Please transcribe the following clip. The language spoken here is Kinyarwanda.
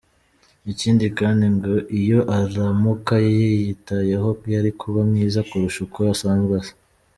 Ikindi kandi ngo iyo aramuka yiyitayeho yari kuba mwiza kurusha uko asanzwe asa.